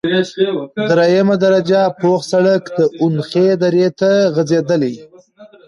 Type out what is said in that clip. دریمه درجه پوخ سرک د اونخې درې ته غزیدلی،